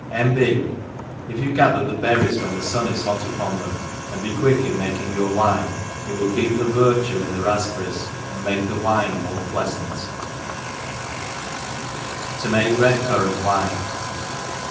*— fl B% If you gather the berries when the fun Jhot upon them, and be quick in making your wine, it will keep the virtue in the rafpberries, and make the wine more pleafant* To (MM^'ReO CV&RANT WiMK.